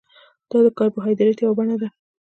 دا د کاربوهایډریټ یوه بڼه ده